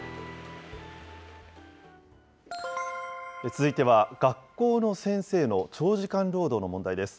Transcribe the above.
続いては学校の先生の長時間労働の問題です。